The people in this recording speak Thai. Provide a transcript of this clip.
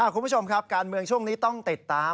คุณผู้ชมครับการเมืองช่วงนี้ต้องติดตาม